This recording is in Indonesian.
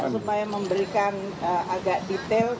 supaya memberikan agak detail